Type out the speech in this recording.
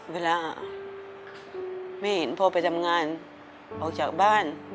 เวลาแม่เห็นพ่อไปทำงานออกจากบ้าน